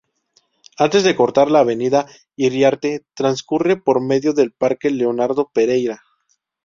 Antes de cortar la Avenida Iriarte, transcurre por medio del Parque Leonardo Pereyra.